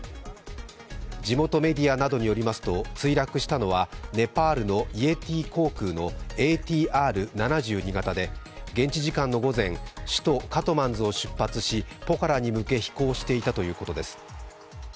地元メディアなどによりますと墜落したのはネパールのイエティ航空のＡＴＲ７２型で、現地時間の午前、首都カトマンズを出発しポカラに向け、飛行していたということです。